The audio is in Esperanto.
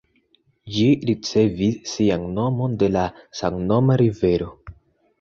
Ĝi ricevis sian nomon de la samnoma rivero.